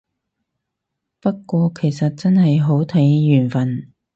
不過其實真係好睇緣份